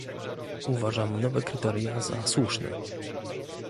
Uważam nowe kryteria za słuszne